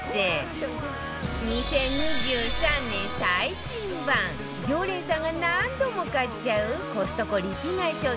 ２０２３年最新版常連さんが何度も買っちゃうコストコリピ買い商品